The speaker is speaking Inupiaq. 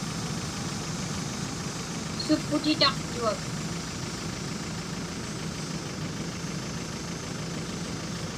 Supputitaqtuak.